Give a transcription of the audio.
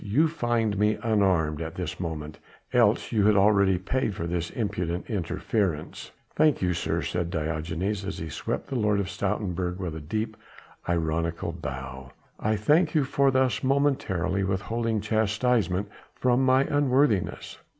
You find me unarmed at this moment, else you had already paid for this impudent interference." "I thank you, sir," said Diogenes as he swept the Lord of Stoutenburg a deep, ironical bow, "I thank you for thus momentarily withholding chastisement from my unworthiness.